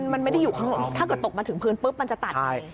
มันไม่ได้อยู่ข้างถ้าเกิดตกมาถึงพื้นปุ๊บมันจะตัด